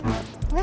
oke disitu aja